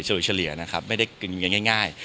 สรุปเฉลี่ยนะครับไม่ได้กินง่าย